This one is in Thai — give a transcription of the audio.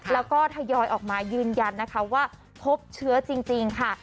แล้วก็ทยอยออกมายืนยันนะคะว่าพบเชื้อจริงค่ะ